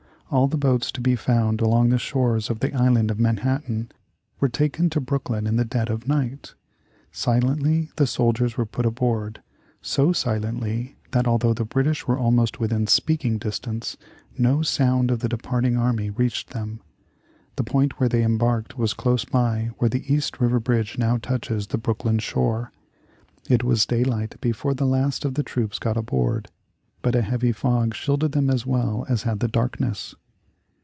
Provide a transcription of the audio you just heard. All the boats to be found along the shores of the Island of Manhattan were taken to Brooklyn in the dead of night. Silently the soldiers were put aboard, so silently that, although the British were almost within speaking distance, no sound of the departing army reached them. The point where they embarked was close by where the East River Bridge now touches the Brooklyn shore. It was daylight before the last of the troops got aboard, but a heavy fog shielded them as well as had the darkness.